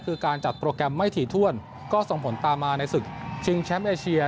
คือการจัดโปรแกรมไม่ถี่ถ้วนก็ส่งผลตามมาในศึกชิงแชมป์เอเชีย